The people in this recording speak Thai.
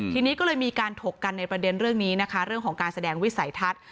ทีนี้ก็เลยมีการถกกันในประเด็นเรื่องนี้นะคะเรื่องของการแสดงวิสัยทัศน์